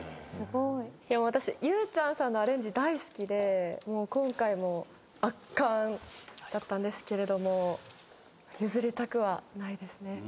私ゆうちゃんさんのアレンジ大好きで今回も圧巻だったんですけれども譲りたくはないですね。